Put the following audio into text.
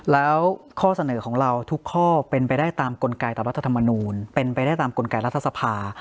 แล้วข้อเสนอของเราทุกข้อเป็นไปได้ตามกลไกตามรัฐธรรมนูลเป็นไปได้ตามกลไกรัฐสภา